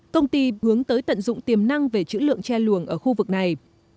công ty hướng tới tận dụng tiềm năng về chữ lượng che luồng ở khu vực này